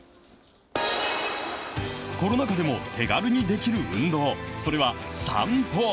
コロナ禍でも手軽にできる運動、それは散歩。